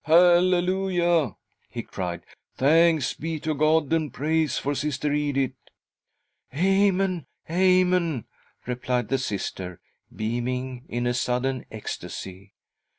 " Halleluia !" he .cried ;" thanks be to God and praise for Sister Edith 1 "" Amen ! Amen !" replied the Sister, beaming in a sudden ecstasy.